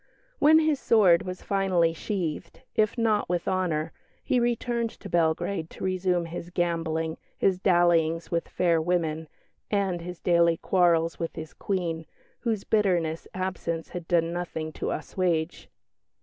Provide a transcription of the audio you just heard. When his sword was finally sheathed, if not with honour, he returned to Belgrade to resume his gambling, his dallyings with fair women and his daily quarrels with his Queen, whose bitterness absence had done nothing to assuage.